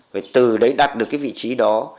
và từ đấy đặt được cái vị trí đó